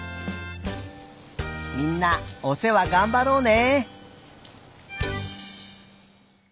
みんなおせわがんばろうね。